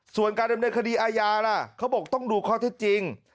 ส่วนการดำเนินคดีอาญาล่ะเขาบอกต้องดูข้อเท็จจริง